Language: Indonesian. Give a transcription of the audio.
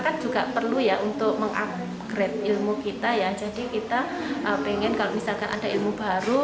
kan juga perlu ya untuk mengupgrade ilmu kita ya jadi kita pengen kalau misalkan ada ilmu baru